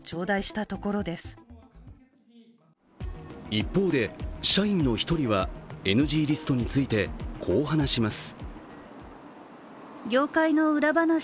一方で、社員の１人はＮＧリストについて、こう話します。